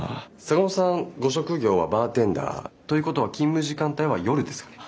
坂本さんご職業はバーテンダーということは勤務時間帯は夜ですかね？